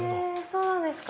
そうなんですか。